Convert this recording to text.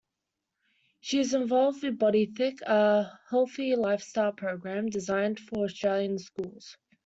She is involved with BodyThink, a healthy lifestyle program designed for Australian schools.